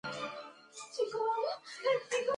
সিম্বার সার্জারির টাকার জন্য কি বাড়িটা বেঁচে দিতে হবে?